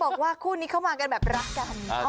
บอกว่าคู่นี้เข้ามากันแบบรักกัน